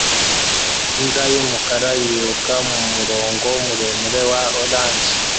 Imbwa yumukara yiruka mumurongo muremure wa orange